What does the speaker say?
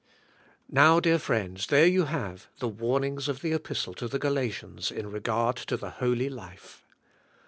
Now, dear friends, there you have the warnings of the Kpistle to the Galatians in regard to the holy life.